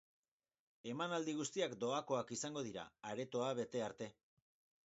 Emanaldi guztiak doakoak izango dira, aretoa bete arte.